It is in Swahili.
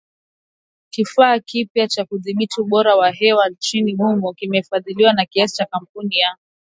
Kifaa kipya cha kudhibiti ubora wa hewa nchini humo kimefadhiliwa kwa kiasi na kampuni ya